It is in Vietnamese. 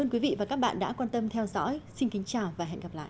quý vị và các bạn đã quan tâm theo dõi xin kính chào và hẹn gặp lại